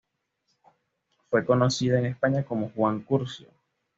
Fue conocido en España como Juan Curcio.